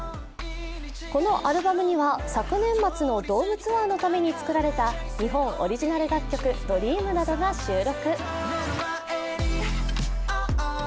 このアルバムには昨年末のドームツアーのために作られた日本オリジナル楽曲「ＤＲＥＡＭ」などが収録。